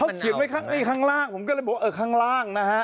เขาเขียนไว้ข้างล่างผมก็เลยบอกว่าเออข้างล่างนะฮะ